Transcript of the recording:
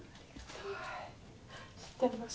知ってます。